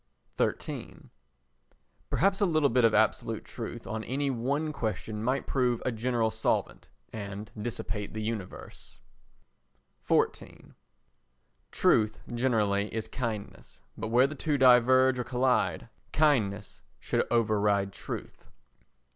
xiii Perhaps a little bit of absolute truth on any one question might prove a general solvent, and dissipate the universe. xiv Truth generally is kindness, but where the two diverge or collide, kindness should override truth.